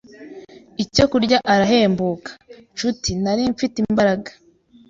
icyo kurya arahembuka. Nshuti, nari mfite imbaraga